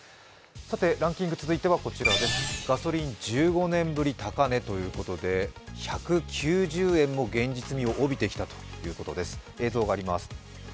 ランキング、続いてはこちらです、ガソリン、１５年ぶり高値ということで１９０円も現実味を帯びてきたということです。